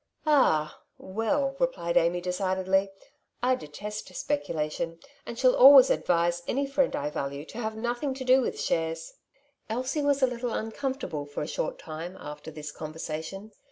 ''Ah! well,^' replied Amy decidedly, ''I detest speculation, and shall always advise any friend I value to have nothing to do with shares/' Elsie was a little uncomfortable for a short time after this conversation.